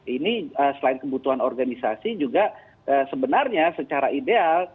ini selain kebutuhan organisasi juga sebenarnya secara ideal